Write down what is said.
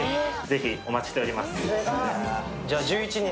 ぜひお待ちしております。